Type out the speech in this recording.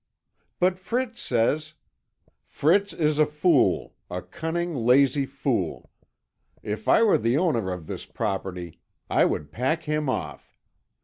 "But Fritz says " "Fritz is a fool, a cunning, lazy fool. If I were the owner of this property I would pack him off.